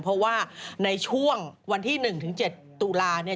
เพราะว่าในช่วงวันที่๑๗ตุลาเนี่ย